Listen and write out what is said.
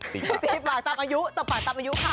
ตีปากตามอายุตอบปากตามอายุค่ะ